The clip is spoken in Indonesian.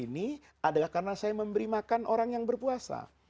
yang enam ratus ini adalah karena saya memberi makan orang yang berpuasa